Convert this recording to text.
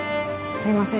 すいません。